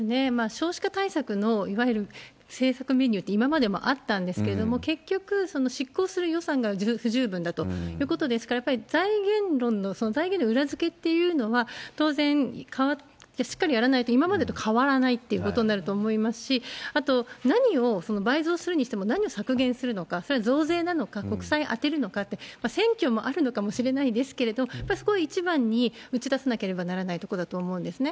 少子化対策のいわゆる政策メニューって今までもあったんですけれども、結局、執行する予算が不十分だということですから、やっぱり財源論の裏付けというのは当然変わって、しっかりやらないと今までと変わらないということになると思いますし、あと、何を倍増するにしても、何を削減するのか、それは増税なのか、国債充てるのかって、選挙もあるのかもしれないですけれども、やっぱりそこは一番に打ち出さなければならないところだと思うんですね。